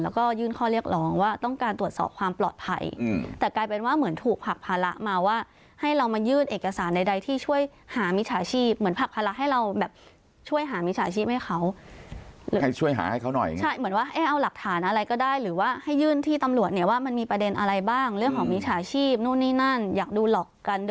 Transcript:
แล้วก็ยื่นข้อเรียกร้องว่าต้องการตรวจสอบความปลอดภัยแต่กลายเป็นว่าเหมือนถูกผลักภาระมาว่าให้เรามายื่นเอกสารใดที่ช่วยหามิจฉาชีพเหมือนผลักภาระให้เราแบบช่วยหามิจฉาชีพให้เขาให้ช่วยหาให้เขาหน่อยไงใช่เหมือนว่าเอ๊ะเอาหลักฐานอะไรก็ได้หรือว่าให้ยื่นที่ตำรวจเนี่ยว่ามันมีประเด็นอะไรบ้างเรื่องของมิจฉาชีพนู่นนี่นั่นอยากดูหลอกกัน